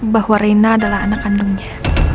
bahwa rina adalah anak kandungnya